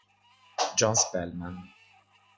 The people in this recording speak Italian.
John Spellman